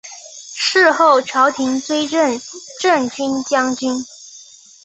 事后朝廷追赠镇军将军。